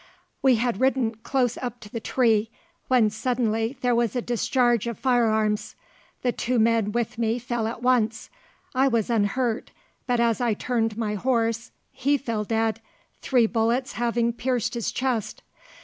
"We had ridden close up to the tree, when suddenly there was a discharge of firearms. The two men with me fell at once. I was unhurt, but as I turned my horse he fell dead, three bullets having pierced his chest.